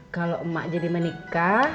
kalo emak jadi menikah